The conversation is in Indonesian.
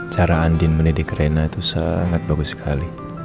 cara andin mendidik rena itu sangat bagus sekali